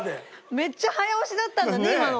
めっちゃ早押しだったんだね今のは。